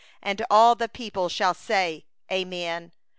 And all the people shall say: Amen.